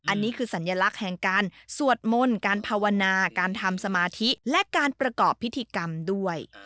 อันนี้คือสัญลักษณ์แห่งการสวดมนต์การภาวนาการทำสมาธิและการประกอบพิธีกรรมด้วย